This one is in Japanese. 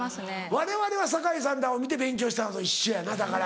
われわれは堺さんらを見て勉強したのと一緒やなだから。